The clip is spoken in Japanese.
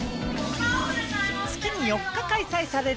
月に４日開催される